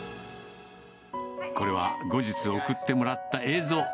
これは後日送ってもらった映像。